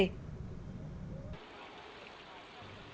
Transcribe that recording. cơ chế phân tử